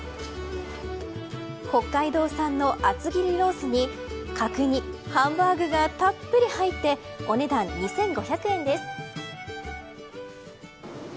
北海道産の厚切りロースに角煮、ハンバーグがたっぷり入ってお値段２５００円です。